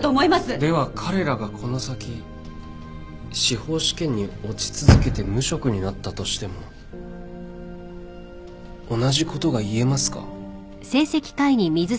では彼らがこの先司法試験に落ち続けて無職になったとしても同じことが言えますか？